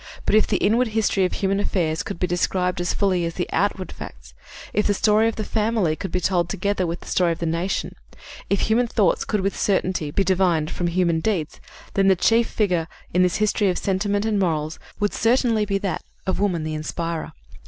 But if the inward history of human affairs could be described as fully as the outward facts; if the story of the family could be told together with the story of the nation; if human thoughts could with certainty be divined from human deeds, then the chief figure in this history of sentiment and morals would certainly be that of Woman the Inspirer."